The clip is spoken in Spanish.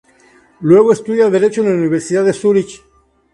Luego estudia Derecho en la Universidad de Zúrich.